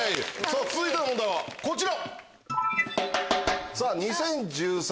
続いての問題はこちら！